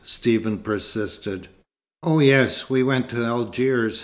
Stephen persisted. "Oh yes, we went back to Algiers.